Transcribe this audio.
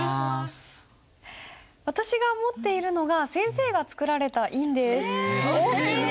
私が持っているのが先生が作られた印です。